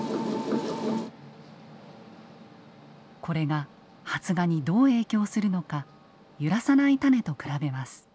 これが発芽にどう影響するのか揺らさない種と比べます。